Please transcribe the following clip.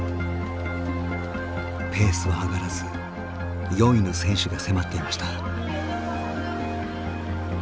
ペースは上がらず４位の選手が迫っていました。